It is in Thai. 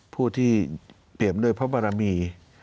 ผู้ที่เตรียมด้วยพระบารมี